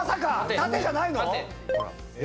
縦じゃないの⁉え！